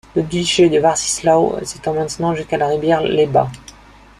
Le duché de Warcislaw s’étend maintenant jusqu’à la rivière Łeba.